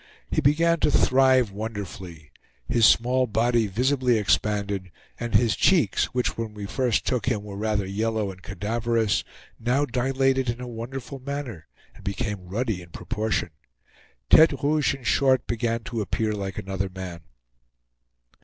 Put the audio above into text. He began to thrive wonderfully. His small body visibly expanded, and his cheeks, which when we first took him were rather yellow and cadaverous, now dilated in a wonderful manner, and became ruddy in proportion. Tete Rouge, in short, began to appear like another man.